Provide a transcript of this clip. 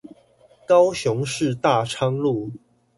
高雄市大昌路